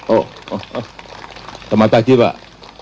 oh terima kasih pak